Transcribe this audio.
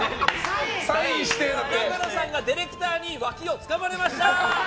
永野さんがディレクターに脇をつかまれました！